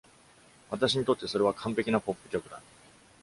私にとってそれは完ぺきなポップ曲だ。